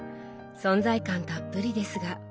存在感たっぷりですが。